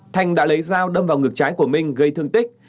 thanh đã lấy dao đâm vào ngược trái của minh gây thương tích